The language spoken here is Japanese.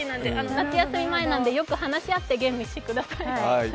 夏休み前なのでよく話し合ってゲームしてください。